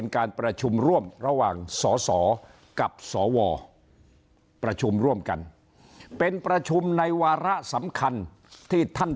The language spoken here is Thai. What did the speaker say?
กับสวประชุมร่วมกันเป็นประชุมในวาระสำคัญที่ท่าน